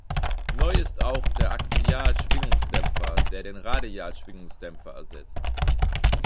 Neu ist auch der Axial-Schwingungsdämpfer, der den Radial-Schwingungsdämpfer ersetzt.